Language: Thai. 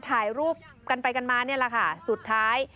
ถ่ายรูปกันไปกันมานี่แหละค่ะสุดท้าย